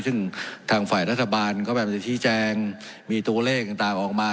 ซึ่งทางฝ่ายรัฐบาลก็พยายามจะชี้แจงมีตัวเลขต่างออกมา